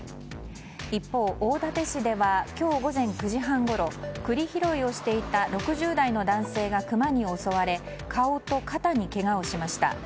一方、大館市では今日午前９時半ごろ栗拾いをしていた６０代の男性がクマに襲われ顔と肩にけがをしました。